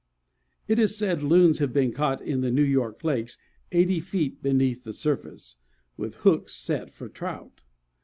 It is said Loons have been caught in the New York lakes eighty feet beneath the surface, with hooks set for trout.